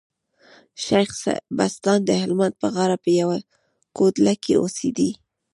شېخ بستان د هلمند په غاړه په يوه کوډله کي اوسېدئ.